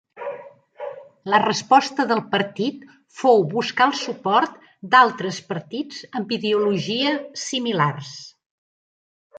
La resposta del partit fou buscar el suport d'altres partits amb ideologia similars.